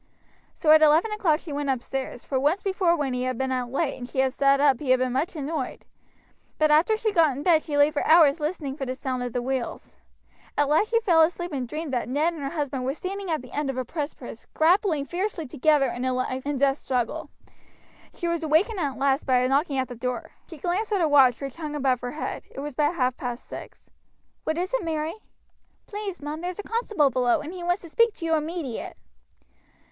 So at eleven o'clock she went upstairs, for once before when he had been out late and she had sat up he had been much annoyed; but after she got in bed she lay for hours listening for the sound of the wheels. At last she fell asleep and dreamed that Ned and her husband were standing at the end of a precipice grappling fiercely together in a life and death struggle. She was awaked at last by a knocking at the door; she glanced at her watch, which hung above her head; it was but half past six. "What is it, Mary?" "Please, mum, there's a constable below, and he wants to speak to you immediate."